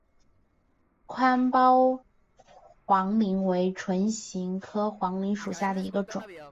宽苞黄芩为唇形科黄芩属下的一个种。